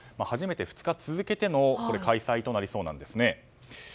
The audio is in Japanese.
初めて２日続けての開催となりそうなんですね。